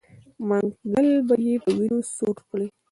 منګل به یې په وینو سور کړي.